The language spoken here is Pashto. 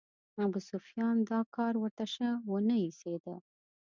ابوسفیان دا کار ورته شه ونه ایسېده.